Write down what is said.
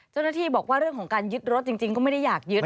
เจ้าหน้าที่บอกว่าเรื่องของการยึดรถจริงก็ไม่ได้อยากยึด